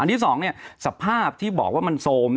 อันที่สองสภาพที่บอกว่ามันโซม